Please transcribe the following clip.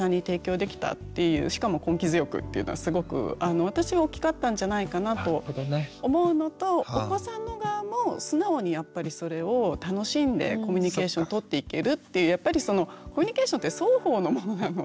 しかも根気強くっていうのはすごく私は大きかったんじゃないかなと思うのとお子さんの側も素直にやっぱりそれを楽しんでコミュニケーションとっていけるっていうやっぱりそのコミュニケーションって双方のものなので。